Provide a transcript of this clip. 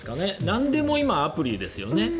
なんでも今、アプリですよね。